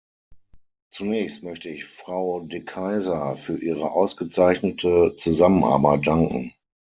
Zunächst möchte ich Frau De Keyser für ihre ausgezeichnete Zusammenarbeit danken.